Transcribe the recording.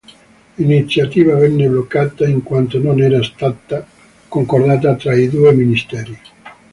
L'iniziativa venne bloccata in quanto non era stata concordata tra i due Ministeri.